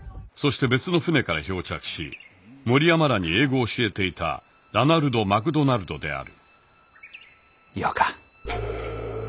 そして別の船から漂着し森山らに英語を教えていたラナルド・マクドナルドであるヨカ。